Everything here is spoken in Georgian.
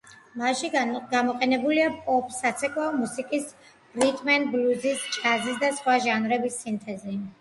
მასში გამოყენებულია პოპ, საცეკვაო მუსიკის, რიტმ ენ ბლუზის, ჯაზისა და სხვა ჟანრების სინთეზი.